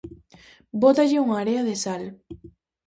Bótalle unha area de sal.